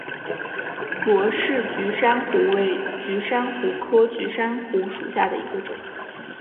罗氏菊珊瑚为菊珊瑚科菊珊瑚属下的一个种。